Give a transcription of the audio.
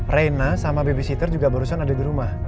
reina sama babysitter juga barusan ada di rumah